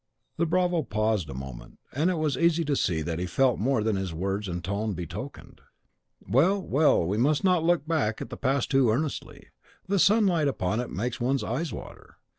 The bravo paused a moment, and it was easy to see that he felt more than his words and tone betokened. "Well, well, we must not look back at the past too earnestly, the sunlight upon it makes one's eyes water.